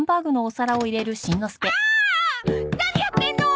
何やってんの！？